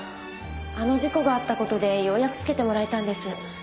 あの事故があった事でようやくつけてもらえたんです。